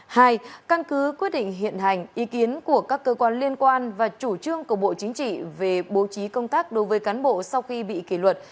hai căn cứ quyết định hiện hành ý kiến của các cơ quan liên quan và chủ trương của bộ chính trị về bố trí công tác đối với cán bộ sau khi bị kỷ luật